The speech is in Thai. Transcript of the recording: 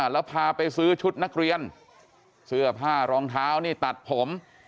แล้วพาไปซื้อชุดนักเรียนเสื้อผ้ารองเท้านี่ตัดผม